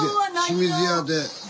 清水屋で。